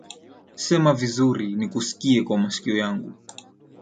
Sema vizuri nikuskie kwa masikio yangu